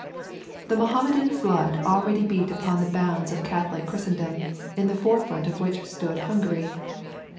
The Mohammedan flood already beat upon the bounds of Catholic Christendom, in the forefront of which stood Hungary.